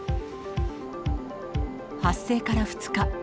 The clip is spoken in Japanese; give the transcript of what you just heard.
発生から２日。